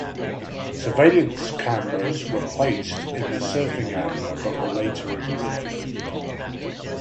Surveillance cameras were placed in the surfing area but were later removed.